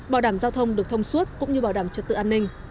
bảo đảm giao thông được thông suốt cũng như bảo đảm trật tự an ninh